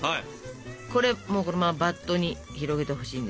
これもうこのままバットに広げてほしいんですよ。